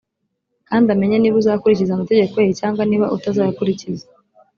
kandi amenye niba uzakurikiza amategeko ye cyangwa niba utazayakurikiza.